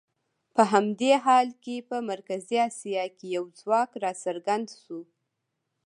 په همدې حال کې په مرکزي اسیا کې یو ځواک راڅرګند شو.